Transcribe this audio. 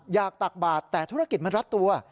ตักบาทแต่ธุรกิจมันรัดตัว